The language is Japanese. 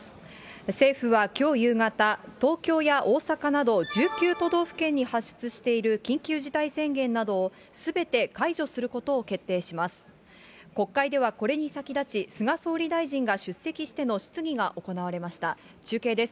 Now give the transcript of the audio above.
政府はきょう夕方、東京や大阪など１９都道府県に発出している緊急事態宣言などを、すべて解除することを決定します。